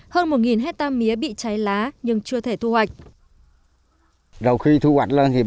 hơn một hectare mía bị cháy lá nhưng chưa thể thu hoạch